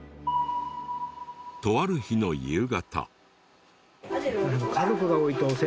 とある日の夕方。